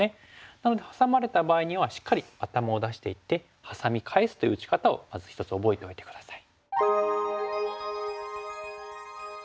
なのでハサまれた場合にはしっかり頭を出していってハサミ返すという打ち方をまず一つ覚えておいて下さい。